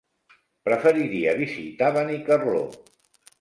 Preferiria visitar Benicarló.